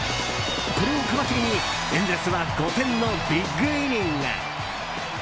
これを皮切りにエンゼルスは５点のビッグイニング。